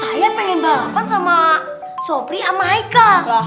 saya pengen balapan sama sobri sama haikal